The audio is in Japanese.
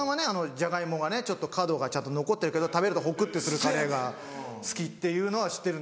ジャガイモがね角がちゃんと残ってるけど食べるとほくってするカレーが好きっていうのは知ってるんです。